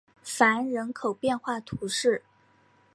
凡人口变化图示